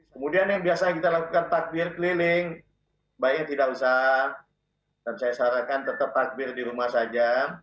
kemudian yang biasa kita lakukan takbir keliling baiknya tidak usah dan saya sarankan tetap takbir di rumah saja